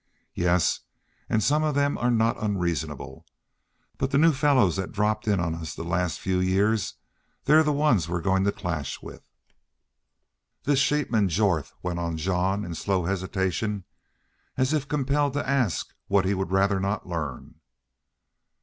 "Yes, an' some of them are not unreasonable. But the new fellows that dropped in on us the last few year they're the ones we're goin' to clash with." "This sheepman, Jorth?" went on Jean, in slow hesitation, as if compelled to ask what he would rather not learn.